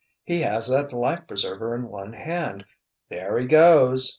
"He has that life preserver in one hand—there he goes!"